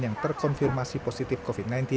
yang terkonfirmasi positif covid sembilan belas